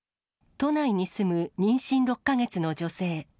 都内に住む妊娠６か月の女性。